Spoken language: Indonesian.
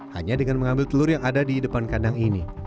hanya dengan mengambil telur yang ada di depan kandang ini